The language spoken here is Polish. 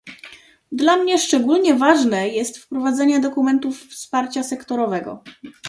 Dla mnie szczególnie ważne jest wprowadzenie dokumentów wsparcia sektorowego